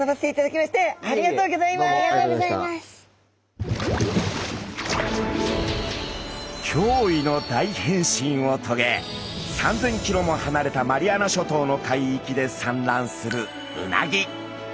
きょういの大変身をとげ３，０００キロもはなれたマリアナ諸島の海域で産卵するうなぎ。